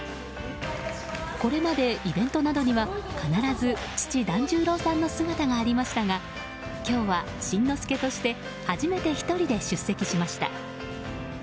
これまでイベントなどには必ず父・團十郎さんの姿がありましたが今日は、新之助として初めて１人で出席しました。